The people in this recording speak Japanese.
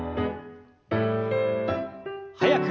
速く。